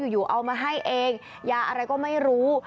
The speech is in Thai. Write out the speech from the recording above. เอามาให้เองยาอะไรก็ไม่รู้